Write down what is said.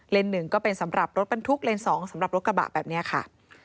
๑ก็เป็นสำหรับรถบรรทุกเลนส์๒สำหรับรถกระบะแบบนี้ค่ะ